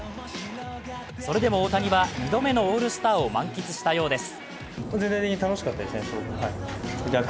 それでも、大谷は２度目のオールスターを満喫したようです。